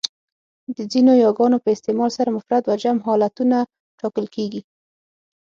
د ځینو یاګانو په استعمال سره مفرد و جمع حالتونه ټاکل کېږي.